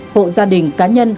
hộ gia đình cá nhân